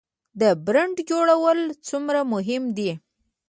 د برنډ جوړول څومره مهم دي؟